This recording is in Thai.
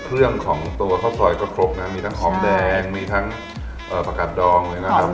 เครื่องของตัวข้าวซอยก็ครบนะมีทั้งหอมแดงมีทั้งผักกาดดอง